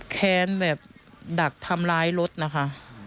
แค้นแบบดักทำร้ายรถนะคะ